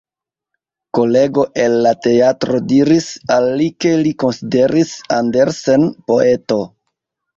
Kolego el la teatro diris al li ke li konsideris Andersen poeto.